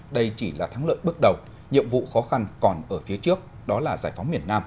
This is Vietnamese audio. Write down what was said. đây chỉ là thắng lợi bước đầu nhiệm vụ khó khăn còn ở phía trước đó là giải phóng miền nam